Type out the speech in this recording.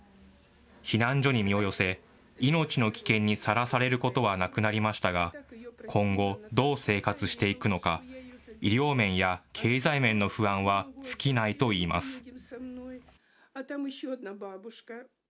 避難所に身を寄せ、命の危険にさらされることはなくなりましたが、今後どう生活していくのか、医療面や経済面の不安は尽きないといいます。